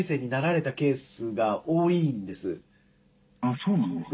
そうなんですか？